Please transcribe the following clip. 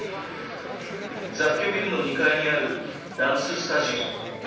雑居ビルの２階にあるダンススタジオ。